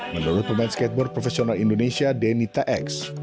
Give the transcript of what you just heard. menurut pemain skateboard profesional indonesia denita x